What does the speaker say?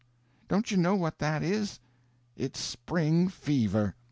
Don't you know what that is? It's spring fever.